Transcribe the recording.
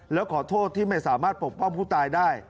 แล้วขอโทษที่ไม่สามารถปกป้องผู้ตายได้